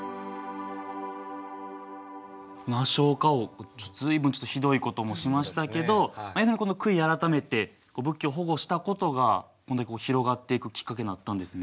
アショーカ王随分ひどいこともしましたけど悔い改めて仏教を保護したことがこんだけ広がっていくきっかけになったんですね。